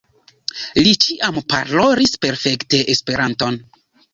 Li ĉiam parolis perfekte Esperanton.